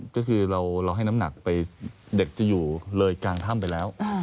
ก็คือเราให้น้ำหนักไปเด็กจะอยู่เลยกลางถ้ำไปแล้ว